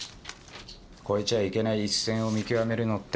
越えちゃいけない一線を見極めるのって。